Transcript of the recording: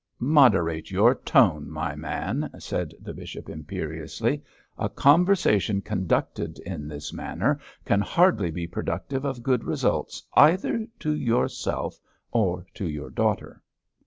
'Moderate your tone, my man,' said the bishop, imperiously; 'a conversation conducted in this manner can hardly be productive of good results either to yourself or to your daughter.'